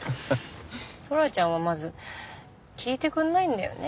トラちゃんはまず聞いてくれないんだよね